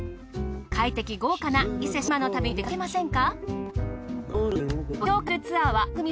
快適豪華な伊勢志摩の旅に出かけませんか？